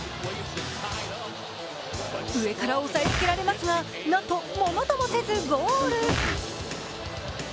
上から押さえつけられますがなんとものともせずゴール。